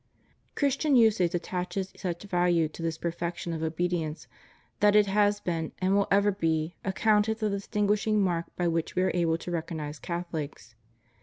Christian usage attaches such value to this perfection of obedience that it has been, and will ever be, accounted the distin guishing mark by which we are able to recognize Catholics.